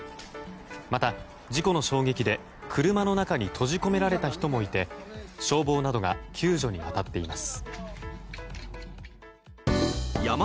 また、事故の衝撃で車の中に閉じ込められた人もいて消防などが救助に当たっています。